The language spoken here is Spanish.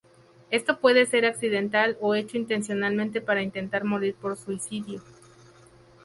Esto puede ser accidental o hecho intencionalmente para intentar morir por suicidio.